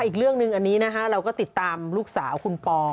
อีกเรื่องหนึ่งอันนี้นะคะเราก็ติดตามลูกสาวคุณปอ